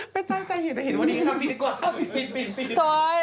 ไปตั้งใจเฉยวันนี้ครับปิด